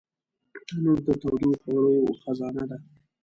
تنور د تودو خوړو خزانه ده